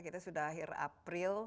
kita sudah akhir april